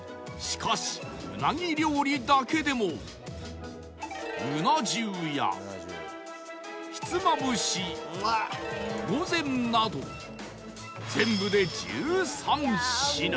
しかしうなぎ料理だけでもうな重やひつまぶし御膳など全部で１３品